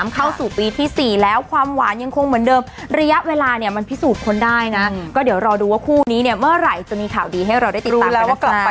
เข้าปีที่๔แล้วก็มันก็สักพักนึงแล้ว